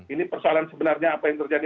ini persoalan sebenarnya apa yang terjadi